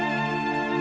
saya udah nggak peduli